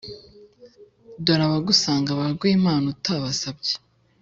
dore abagusanga baraguha impano utabasabye,